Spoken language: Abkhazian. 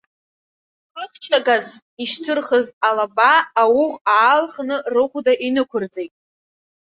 Хыхьчагас ишьҭырхыз алаба, ауӷә аалхны, рыхәда инықәырҵеит.